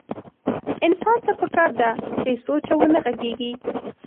انسان ته پکار ده بې سوچه ونه غږېږي.